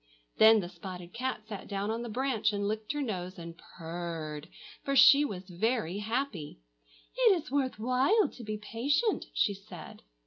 Then the spotted cat sat down on the branch, and licked her nose and purred, for she was very happy. "It is worth while to be patient!" she said.